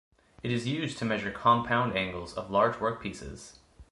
It is used to measure compound angles of large workpieces.